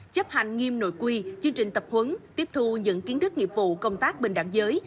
chấp hành nghiêm nội quy chương trình tập huấn tiếp thu những kiến thức nghiệp vụ công tác bình đẳng giới